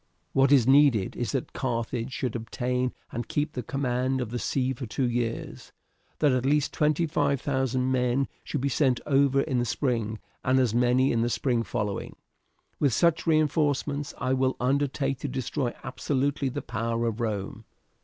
What is needed is that Carthage should obtain and keep the command of the sea for two years, that at least twenty five thousand men should be sent over in the spring, and as many in the spring following. With such reinforcements I will undertake to destroy absolutely the power of Rome.